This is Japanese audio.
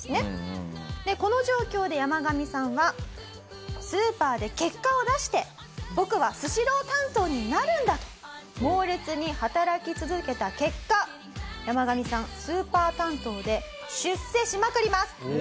この状況でヤマガミさんは「スーパーで結果を出して僕はスシロー担当になるんだ」と猛烈に働き続けた結果ヤマガミさんスーパー担当で出世しまくります。